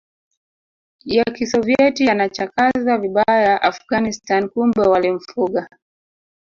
ya Kisovieti yanachakazwa vibaya Afghanistan kumbe walimfuga